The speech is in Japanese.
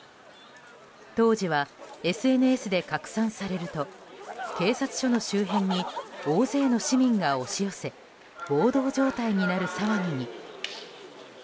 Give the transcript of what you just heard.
当時は、ＳＮＳで拡散されると警察署の周辺に大勢の市民が押し寄せ暴動状態になる騒ぎに。